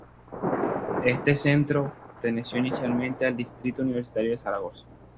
Este centro, perteneció inicialmente al distrito universitario de Zaragoza.